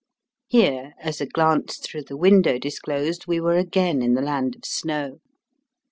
Here, as a glance through the window disclosed, we were again in the land of snow.